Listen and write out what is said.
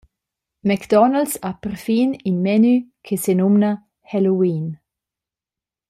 Mac Donalds ha perfin in menu che senumna «Halloween».